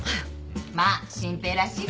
まあ真平らしいか。